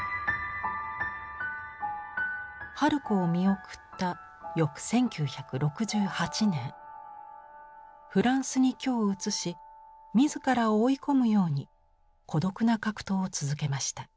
春子を見送った翌１９６８年フランスに居を移し自らを追い込むように孤独な格闘を続けました。